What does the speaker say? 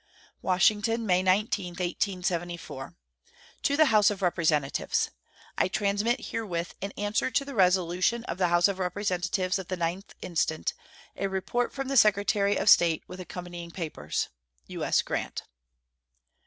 WASHINGTON, May 19, 1874. To the House of Representatives: I transmit herewith, in answer to the resolution of the House of Representatives of the 9th instant, a report from the Secretary of State, with accompanying papers. U.S. GRANT.